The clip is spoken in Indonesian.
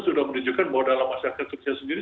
sudah menunjukkan bahwa dalam masyarakat kecil sendiri